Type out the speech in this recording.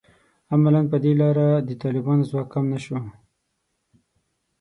عملاً په دې لاره د طالبانو ځواک کم نه شو